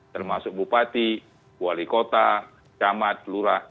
termasuk bupati wali kota camat lurah